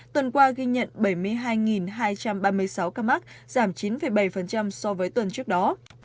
tuần qua ghi nhận bảy mươi hai hai trăm ba mươi sáu ca mắc giảm chín bảy so với tuần trước đó